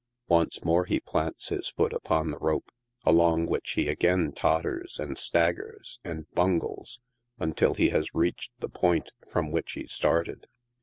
Once more he plants his foot upon the rope, along which he again totters, and staggers, and bungles, until he has reached the point from which he started.